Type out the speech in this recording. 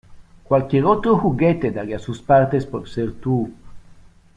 Cualquier otro juguete daría sus partes por ser tú.